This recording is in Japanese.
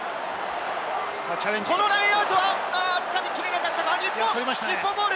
このラインアウトはつかみきれなかったか日本！